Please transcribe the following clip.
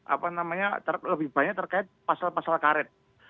apa namanya lebih banyak terkait pasal pasal karet